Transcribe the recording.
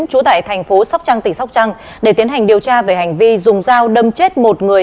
trú tại thành phố sóc trăng tỉnh sóc trăng để tiến hành điều tra về hành vi dùng dao đâm chết một người